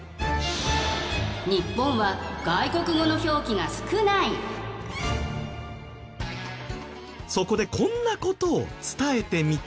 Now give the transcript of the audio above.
もしそこでこんな事を伝えてみた。